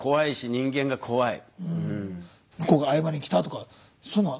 向こうが謝りにきたとかそういうのは？